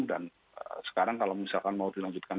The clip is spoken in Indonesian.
dan sekarang kalau misalkan mau dilanjutkan